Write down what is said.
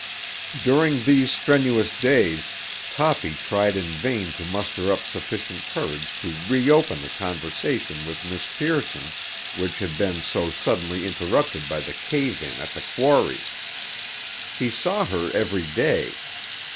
During these strenuous days Toppy tried in vain to muster up sufficient courage to reopen the conversation with Miss Pearson which had been so suddenly interrupted by the cave in at the quarry. He saw her every day.